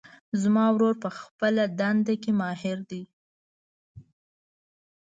زما ورور په خپلهدنده کې ماهر ده